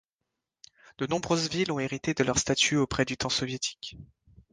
De nombreuses villes ont hérité de leur statut auprès du temps soviétique.